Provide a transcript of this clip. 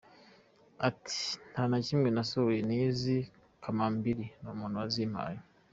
Ati :”Nta na kimwe nasohoye n’izi kamambiri n’umuntu wazimpaye.